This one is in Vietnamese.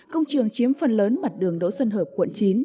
công trường chiếm phần lớn mặt đường đỗ xuân hợp quận chín